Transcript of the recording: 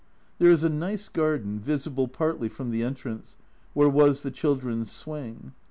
There is a nice garden, visible partly from the entrance, where was the children's swing.